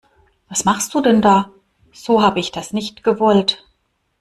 Was machst du denn da, so habe ich das nicht gewollt.